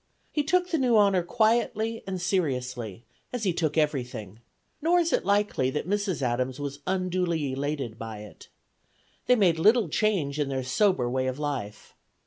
He took the new honor quietly and seriously, as he took everything; nor is it likely that Mrs. Adams was unduly elated by it. They made little change in their sober way of life.